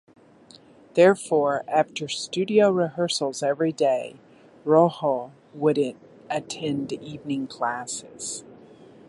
Therefore, after studio rehearsals every day, Rojo would attend evening classes.